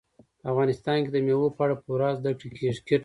په افغانستان کې د مېوو په اړه پوره زده کړه کېږي.